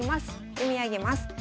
読み上げます。